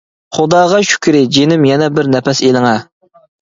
-خۇداغا شۈكرى جېنىم يەنە بىر نەپەس ئېلىڭە!